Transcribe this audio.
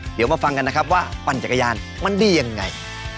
เดี๋ยวมาฟังกันนะครับว่าปั่นจักรยานมันดียังไง